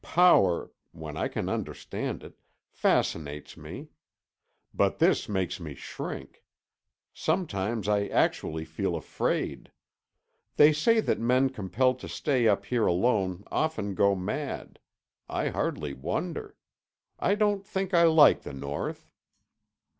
Power—when I can understand it—fascinates me. But this makes me shrink. Sometimes I actually feel afraid. They say that men compelled to stay up here alone often go mad. I hardly wonder. I don't think I like the North."